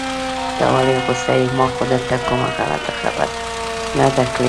ته ولې غوسه يې؟ ما خو درته کومه غلطه خبره نده کړي.